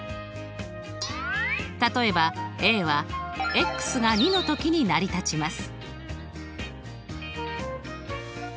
例えばＡはが２の時に成り立ちます。